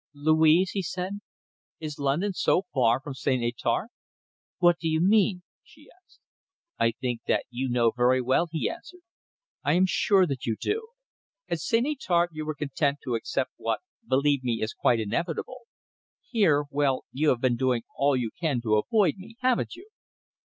"Louise," he said, "is London so far from St. Étarpe?" "What do you mean?" she asked. "I think that you know very well," he answered. "I am sure that you do. At St. Étarpe you were content to accept what, believe me, is quite inevitable. Here well, you have been doing all you can to avoid me, haven't you?"